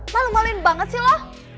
malu maluin banget sih lah